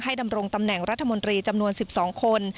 ดำรงตำแหน่งรัฐมนตรีจำนวน๑๒คน